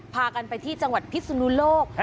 พากันไปที่จังหวัดพิศนุโลก